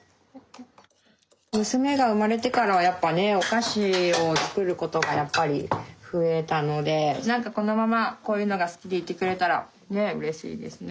娘が生まれてからはやっぱねお菓子を作ることがやっぱり増えたので何かこのままこういうのが好きでいてくれたらねうれしいですね。